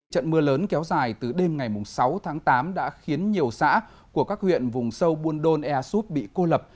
trận mưa lớn kéo dài từ đêm ngày sáu tháng tám đã khiến nhiều xã của các huyện vùng sâu buôn đôn ea súp bị cô lập